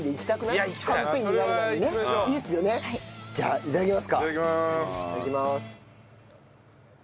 いただきまーす。